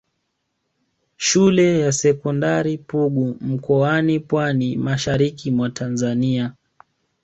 Shule ya sekondari Pugu mkoani Pwani mashariki mwa Tanzania